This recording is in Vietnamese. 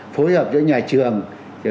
phối hợp với nhà trường